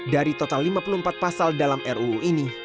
dari total lima puluh empat pasal dalam ruu ini